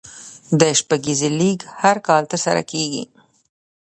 د شپږیزې لیګ هر کال ترسره کیږي.